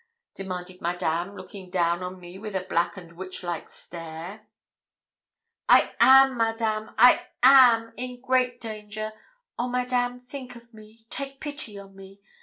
demanded Madame, looking down on me with a black and witchlike stare. 'I am, Madame I am in great danger! Oh, Madame, think of me take pity on me!